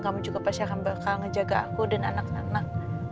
kamu juga pasti akan bakal ngejaga aku dan anak anak